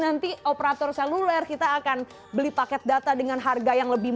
apa yang terjadi